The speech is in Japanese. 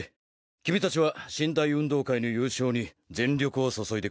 君たちは神・大運動会の優勝に全力を注いでくれ。